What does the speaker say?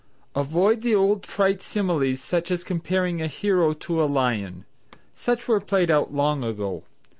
Avoid the old trite similes such as comparing a hero to a lion. Such were played out long ago.